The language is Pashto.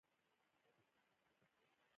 دې ډلبندیو د انسانانو تر منځ اړیکې تنظیم کړې.